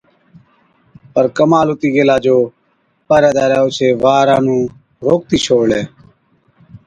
پَر ڪمال هُتِي گيلا جو پهريدارَي اوڇي وارا نُون روڪتِي ڇوڙلَي۔